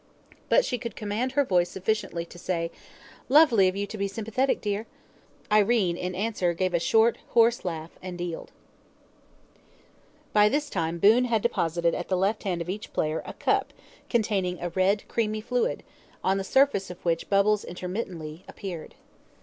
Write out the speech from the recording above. But she could command her voice sufficiently to say: "Lovely of you to be sympathetic, dear." Irene in answer gave a short, hoarse laugh and dealed. By this time Boon had deposited at the left hand of each player a cup containing a red creamy fluid, on the surface of which bubbles intermittently appeared.